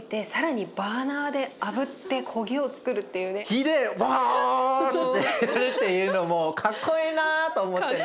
火でボーッてやるっていうのもかっこいいなと思ってね。